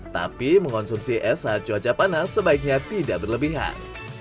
tapi mengonsumsi es saat cuaca panas sebaiknya tidak berlebihan